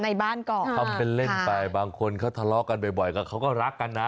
ในบ้านก่อนทำเป็นเล่นไปบางคนเขาทะเลาะกันบ่อยก็เขาก็รักกันนะ